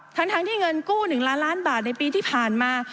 ทั้งที่เงินกู้๑ล้านล้านบาทในปีที่ผ่านมา